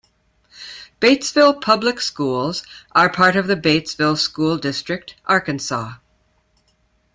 Batesville Public Schools are part of the Batesville School District, Arkansas.